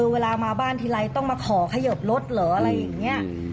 เวลามาบ้านทีไรต้องมาขอขยบรถเหรออะไรอย่างนี้